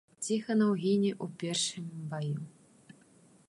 Ціханаў гіне ў першым баю.